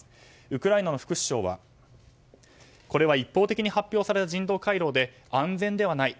ウクライナの副首相はこれは一方的に発表された人道回廊で、安全ではない。